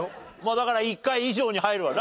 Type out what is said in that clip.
だから１回以上に入るわな。